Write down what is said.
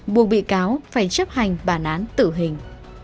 buộc bị cáo phải chấp hành bản án tử hình